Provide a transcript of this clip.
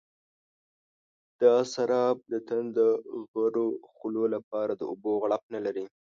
دا سراب د تنده غرو خولو لپاره د اوبو غړپ نه لري.